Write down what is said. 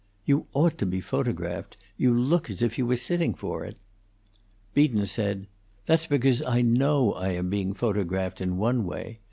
"You ought to be photographed. You look as if you were sitting for it." Beaton said: "That's because I know I am being photographed, in one way.